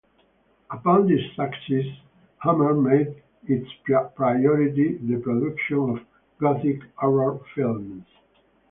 Upon this success, Hammer made its priority the production of Gothic horror films.